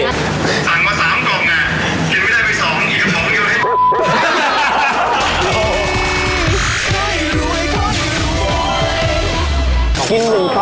สั่งมา๓กล่องนะกินไม่ได้ไป๒กล่องอีกก็ป๋องเยอะเลย